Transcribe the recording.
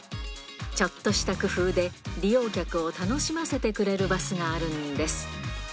ちょっとした工夫で、利用客を楽しませてくれるバスがあるんです。